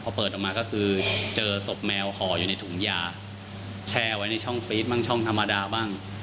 พอเปิดออกมาก็คือเจอศพแมวห่ออยู่ในถุงยาแช่ไว้ในช่องฟีดบ้างช่องธรรมดาบ้าง